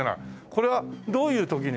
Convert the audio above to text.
これはどういう時に？